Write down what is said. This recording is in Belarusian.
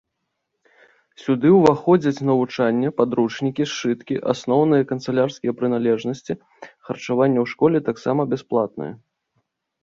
Сюды ўваходзяць навучанне, падручнікі, сшыткі, асноўныя канцылярскія прыналежнасці, харчаванне ў школе таксама бясплатнае.